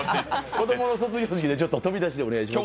子供の卒業式で飛び出しでお願いします。